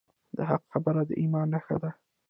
د حق خبره د ایمان نښه ده.